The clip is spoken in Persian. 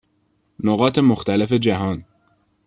نقاط مختلف جهان